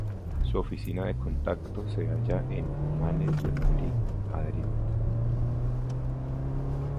Su oficina de contacto se halla en Humanes de Madrid, Madrid.